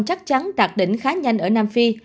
chắc chắn đạt đỉnh khá nhanh ở nam phi